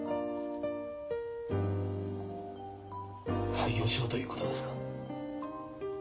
廃業しろということですか。